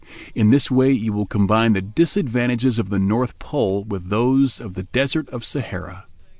In this way you will combine the disadvantages of the North Pole with those of the desert of Sahara."